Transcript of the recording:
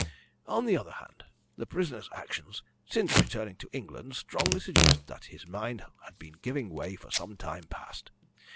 "On the other hand, the prisoner's actions, since returning to England, strongly suggest that his mind has been giving way for some time past.